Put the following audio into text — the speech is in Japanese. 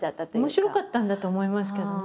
面白かったんだと思いますけどね。